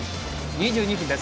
２２分です。